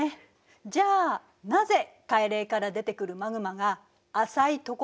じゃあなぜ海嶺から出てくるマグマが浅いところで発生するのか説明するわね。